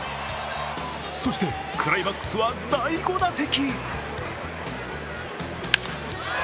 そして、クライマックスは第５打席。